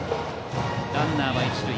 ランナーは一塁。